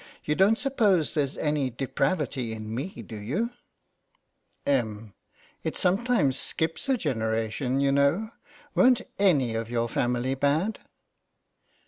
You don't suppose there's any depravity in me, do you ? Em, : It sometimes skips a generation, you know. Weren't any of your family bad?